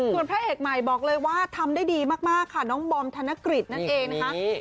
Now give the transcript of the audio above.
ส่วนพระเอกใหม่บอกเลยว่าทำได้ดีมากค่ะน้องบอมธนกฤษนั่นเองนะคะ